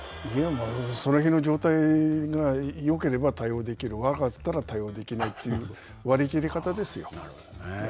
その日の状態がよければ対応できる、悪かったら対応できないという割り切り方ですよ。